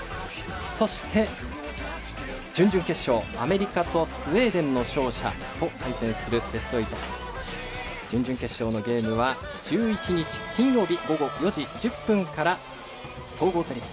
そして、ベスト８アメリカとスウェーデンの勝者と対戦するベスト８、準々決勝のゲームは１１日、金曜日午後４時１０分から総合テレビ。